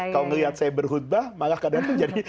kalau melihat saya berhutbah malah kadang menjadi